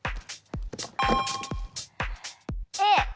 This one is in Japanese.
Ａ！